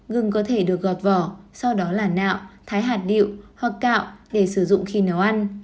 gừng có thể được gọt vỏ sau đó là nạo thái hạt điệu hoặc cạo để sử dụng khi nấu ăn